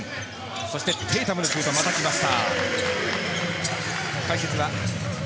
そして、テイタムのシュートがまた来ました。